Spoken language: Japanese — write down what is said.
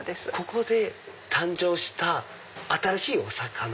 ここで誕生した新しいお魚？